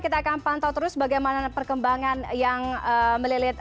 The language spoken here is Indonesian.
kita akan pantau terus bagaimana perkembangan yang melilit